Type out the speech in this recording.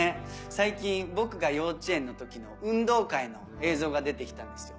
最近僕が幼稚園の時の運動会の映像が出てきたんですよ。